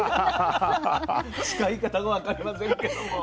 使い方が分かりませんけども。